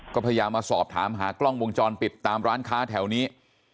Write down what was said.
ก็พยายามมาสอบถามหากล้องวงจรปิดตามร้านค้าแถวนี้